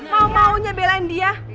mau maunya belain dia